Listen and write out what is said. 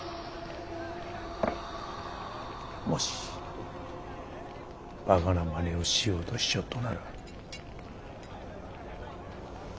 もしバカなまねをしようとしちょっとなら。